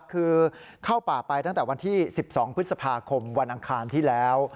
คือเข้าป่าไปตั้งแต่วันที่๑๒พฤษภาคมวันอังคารที่แล้ว